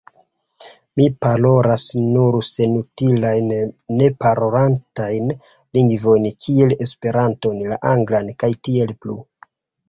Mi parolas nur senutilajn, neparolatajn lingvojn kiel Esperanton, la anglan, kaj tiel plu.